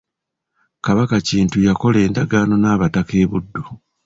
Kabaka Kintu yakola endagaano n’abataka e Buddu.